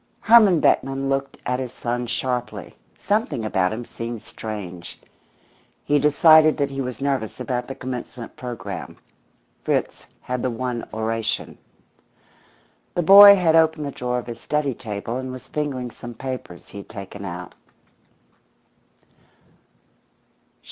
Herman Beckman looked at his son sharply; something about him seemed strange. He decided that he was nervous about the commencement programme. Fritz had the one oration. The boy had opened the drawer of his study table and was fingering some papers he had taken out.